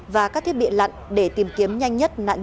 và các thiết bị lặn để tìm kiếm nhanh nhất nạn nhân cuối cùng